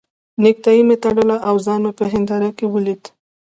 نېکټایي مې تړله او ځان مې په هنداره کې ولید.